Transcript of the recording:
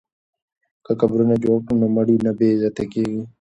که قبرونه جوړ کړو نو مړي نه بې عزته کیږي.